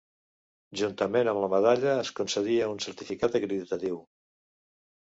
Juntament amb la medalla es concedia un certificat acreditatiu.